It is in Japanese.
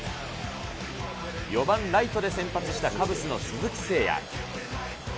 ４番ライトで先発したカブスの鈴木誠也。